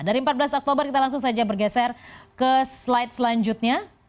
dari empat belas oktober kita langsung saja bergeser ke slide selanjutnya